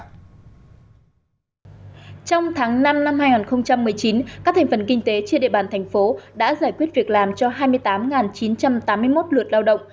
trong tháng năm năm hai nghìn một mươi chín các thành phần kinh tế trên địa bàn thành phố đã giải quyết việc làm cho hai mươi tám chín trăm tám mươi một lượt lao động